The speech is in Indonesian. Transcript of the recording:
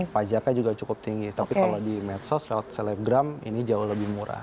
pajaknya juga cukup tinggi tapi kalau di medsos lewat selebgram ini jauh lebih murah